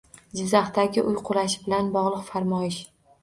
Jizzaxdagi uy qulashi bilan bog‘liq farmoyish